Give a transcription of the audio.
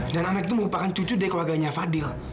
dan anak itu merupakan cucu dari keluarganya fadil